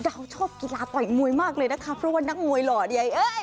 ชอบกีฬาต่อยมวยมากเลยนะคะเพราะว่านักมวยหล่อใยเอ้ย